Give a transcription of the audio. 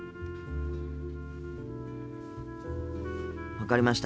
分かりました。